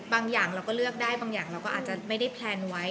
อย่างเราก็เลือกได้บางอย่างเราก็อาจจะไม่ได้แพลนไว้